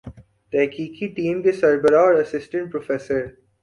تحقیقی ٹیم کے سربراہ اور اسسٹنٹ پروفیسر